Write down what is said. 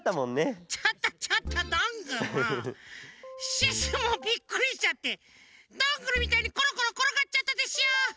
シュッシュもびっくりしちゃってどんぐりみたいにコロコロころがっちゃったでしょ！